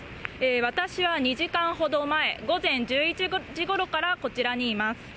私は２時間ほど前、午前１１時ごろからこちらにいます。